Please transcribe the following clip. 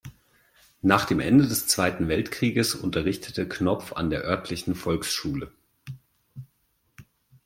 Nach dem Ende des Zweiten Weltkrieges unterrichtete Knopf an der örtlichen Volksschule.